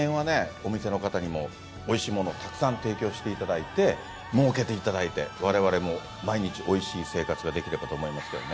お店の方にもおいしいものをたくさん提供していただいてもうけていただいてわれわれも毎日おいしい生活ができればと思いますけどね。